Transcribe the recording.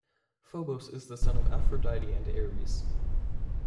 Phobos is the son of Aphrodite and Ares.